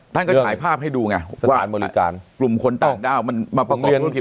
ท่านก็ฉายภาพให้ดูไงสถานบริการกลุ่มคนต่างดาวมาประกอบ